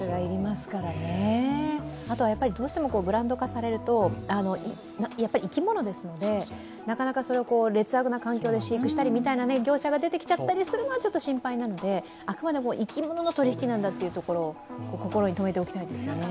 あとはどうしてもブランド化されると生き物ですので、なかなかそれを劣悪な環境で飼育したりという業者が出てきちゃったりするのは心配なので、あくまでも生き物の取り引きなんだということを心にとめておきたいですよね。